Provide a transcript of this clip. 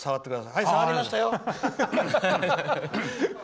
はい、触りましたよ。